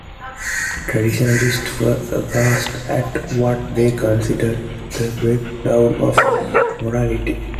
Traditionalists were aghast at what they considered the breakdown of morality.